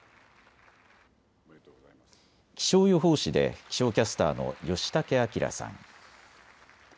気象予報士で気象キャスターの吉竹顕彰さん。